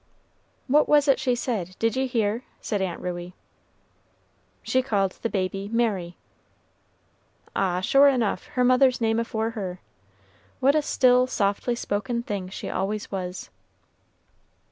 "What was it she said, did ye hear?" said Aunt Ruey. "She called the baby 'Mary.'" "Ah! sure enough, her mother's name afore her. What a still, softly spoken thing she always was!"